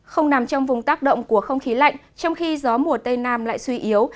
không nằm trong vùng tác động của không khí lạnh trong khi gió mùa tây nam lại suy yếu